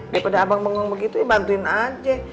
daripada abang bengong begitu ya bantuin aja